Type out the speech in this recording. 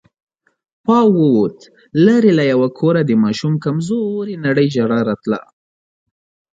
پاو ووت، ليرې له يوه کوره د ماشوم کمزورې نرۍ ژړا راتله.